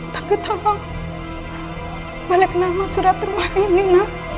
tapi tolong balik nama surat rumah ini nak